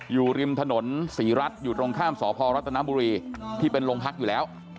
อยู่ริมถนนศรีรัฐอยู่ตรงข้ามสพรัฐนบุรีที่เป็นโรงพักอยู่แล้ว